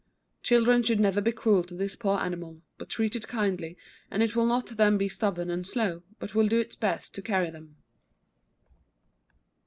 Children should never be cruel to this poor animal, but treat it kindly, and it will not then be stubborn and slow, but will do its best to carry them.